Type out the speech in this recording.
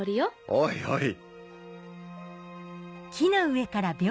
おいおい。